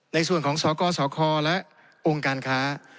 ในส่วนของสกสคและองค์การค้า